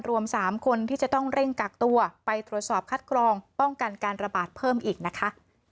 รวม๓คนที่จะต้องเร่งกักตัวไปตรวจสอบคัดกรองป้องกันการระบาดเพิ่มอีกนะคะ